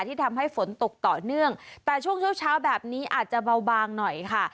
ที่ทำให้ฝนตกต่อเนื่องแต่ช่วงเช้าเช้าแบบนี้อาจจะเบาบางหน่อยค่ะ